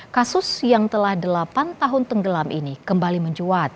kasus yang telah delapan tahun tenggelam ini kembali mencuat